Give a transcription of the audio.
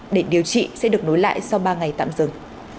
để điều trị sẽ được nối lại sau ba ngày tạm dừng